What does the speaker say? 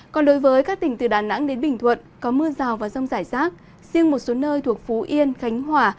còn đối với các tỉnh từ đà nẵng đến bình thuận có mưa rào và rông rải rác riêng một số nơi thuộc phú yên khánh hòa